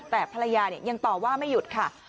แต่ภรรยายังต่อว่าไม่หยุดค่ะ